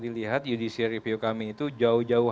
dilihat judicial review kami itu jauh jauh